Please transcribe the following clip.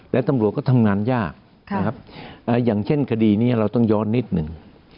และตำรวจก็ทำงานยากนะครับอย่างเช่นคดีนี้เราต้องย้อนนิดหนึ่ง